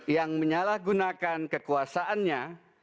yang menyalahgunakan kekuasaannya